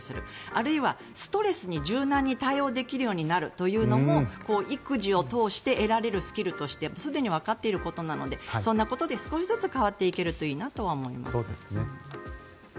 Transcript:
あるいはストレスに柔軟に対応できるようになるというのも育児を通して得られるスキルとしてすでにわかっていることなのでそんなことで少しずつ変わっていけるといいなとは思います。